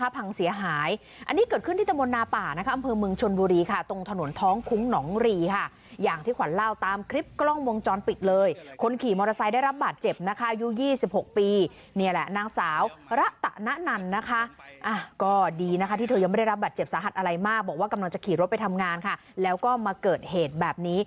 พังเสียหายอันนี้เกิดขึ้นที่ตะมนต์นาป่านะคะอำเภอเมืองชนบุรีค่ะตรงถนนท้องคุ้งหนองรีค่ะอย่างที่ขวัญเล่าตามคลิปกล้องวงจรปิดเลยคนขี่มอเตอร์ไซค์ได้รับบาดเจ็บนะคะอายุ๒๖ปีนี่แหละนางสาวระตะนะนันนะคะก็ดีนะคะที่เธอยังไม่ได้รับบาดเจ็บสาหัสอะไรมากบอกว่ากำลังจะขี่รถไปทำงานค่ะแล้วก็มาเกิดเหตุแบบนี้